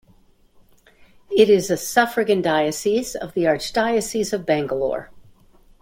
It is a suffragan diocese of the Archdiocese of Bangalore.